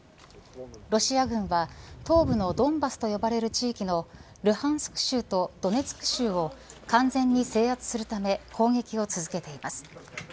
ロシア軍は東部のドンバスと呼ばれる地域のルハンスク州とドネツク州を完全に制圧するため攻撃を続けています。